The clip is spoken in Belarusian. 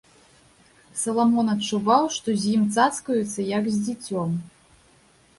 Саламон адчуваў, што з ім цацкаюцца, як з дзіцем.